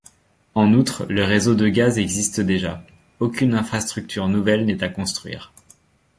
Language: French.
En outre, le réseau de gaz existe déjà: aucune infrastructure nouvelle n'est à construire.